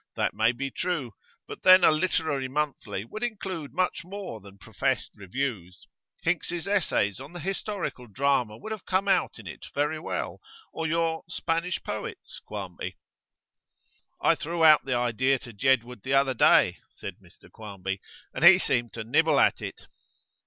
That may be true, but then a literary monthly would include much more than professed reviews. Hinks's essays on the historical drama would have come out in it very well; or your "Spanish Poets," Quarmby.' 'I threw out the idea to Jedwood the other day,' said Mr Quarmby, 'and he seemed to nibble at it.